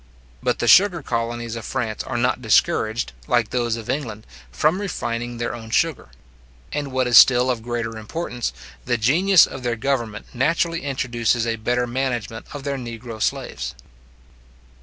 But the sugar colonies of France are not discouraged, like those of England, from refining their own sugar; and what is still of greater importance, the genius of their government naturally introduces a better management of their negro slaves.